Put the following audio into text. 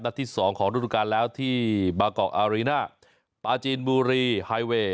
นัดที่สองของรุ่นการแล้วที่บากอกอารีน่าปาจีนบูรีไฮเวย์